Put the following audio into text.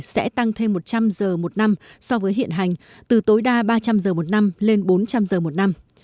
sẽ tăng thêm một trăm linh giờ một năm so với hiện hành từ tối đa ba trăm linh giờ một năm lên bốn trăm linh giờ một năm